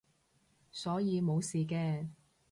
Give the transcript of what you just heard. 所以冇事嘅